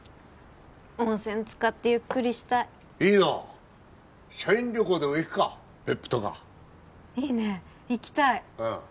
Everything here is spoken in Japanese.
温泉つかってゆっくりしたいいいなあ社員旅行でも行くか別府とかいいね行きたいああ